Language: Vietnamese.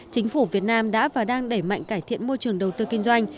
chính phủ việt nam đã và đang đẩy mạnh cải thiện môi trường đầu tư kinh doanh